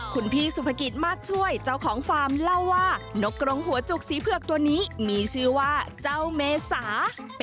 คุณพี่สุภกิจมากช่วยเจ้าของฟาร์มเล่าว่า